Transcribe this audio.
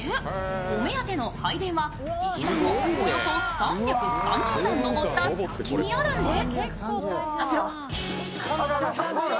お目当ての拝殿は石段をおよそ３３０段上った先にあるんです。